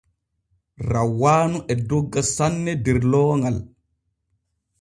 Rawaanu e dogga sanne der looŋal.